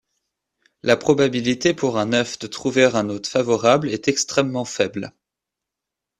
La probabilité pour un œuf de trouver un hôte favorable est extrêmement faible.